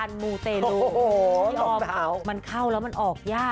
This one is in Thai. นี่ตบเท้า